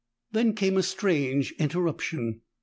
There came a strange interruption.